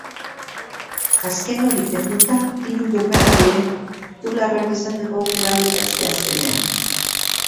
Azken hori henduta, hiru jokalariek titularrak izateko aukera dute asteazkenean.